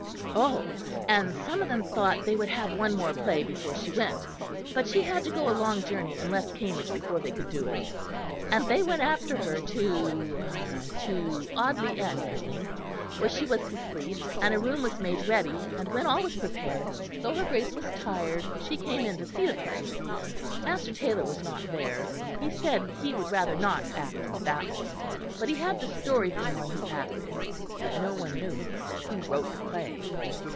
"Oh! and some of them thought they would have one more play before she went; but she had to go a long journey and left Cambridge before they could do it, and they went after her to to Audley End, I think, where she was to sleep, and a room was made ready, and when all was prepared, though her Grace was tired, she came in to see the play. Master Taylor was not there; he said he would rather not act in that one; but he had the story from one who acted, but no one knew, he said, who wrote the play.